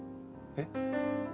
えっ？